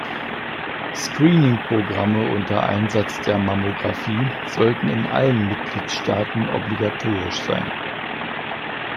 Screeningprogramme unter Einsatz der Mammographie sollten in allen Mitgliedstaaten obligatorisch sein.